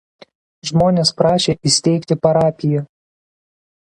Žmonės prašė įsteigti parapiją.